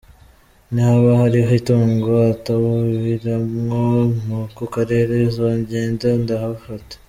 Nihaba hariho itongo atawuribamwo mu ako karere, nzogenda ndahafate.